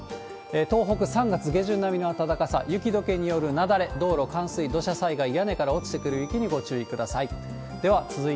東北、３月下旬並みの暖かさ、雪どけによる雪崩、道路冠水、土砂災害、屋根から落ちてくる雪にご注意ください。